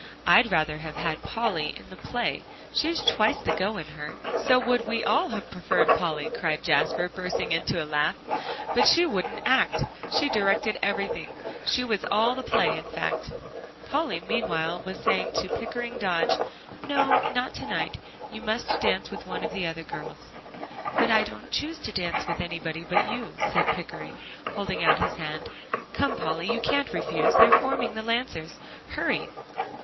I'd rather have had Polly in the play; she's twice the go in her. "So would we all have preferred Polly," cried Jasper, bursting into a laugh, "but she wouldn't act she directed everything; she was all the play, in fact." Polly meanwhile was saying to Pickering Dodge, "No, not to night; you must dance with one of the other girls." "But I don't choose to dance with anybody but you," said Pickering, holding out his hand. "Come, Polly, you can't refuse; they're forming the Lancers. Hurry!"